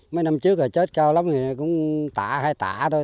mấy năm trước chết cao lắm thì cũng tạ hay tạ thôi